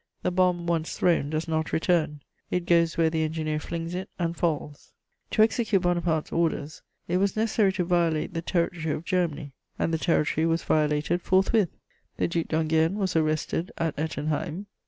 The bomb once thrown does not return: it goes where the engineer flings it, and falls. To execute Bonaparte's orders, it was necessary to violate the territory of Germany, and the territory was violated forthwith. The Duc d'Enghien was arrested at Ettenheim.